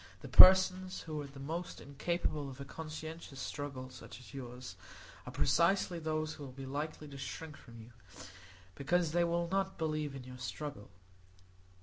The persons who are the most incapable of a conscientious struggle such as yours are precisely those who will be likely to shrink from you, because they will not believe in your struggle.